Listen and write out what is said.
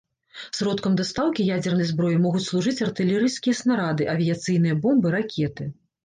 Сродкам дастаўкі ядзернай зброі могуць служыць артылерыйскія снарады, авіяцыйныя бомбы, ракеты.